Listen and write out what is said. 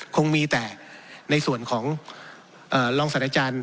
คงมีแต่ในส่วนของลองศาลอาจารย์